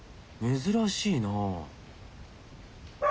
珍しいな。